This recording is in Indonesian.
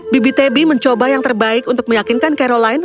bibi tebi mencoba yang terbaik untuk meyakinkan caroline